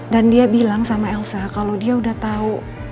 dan dia bilang sama elsa kalau dia udah tahu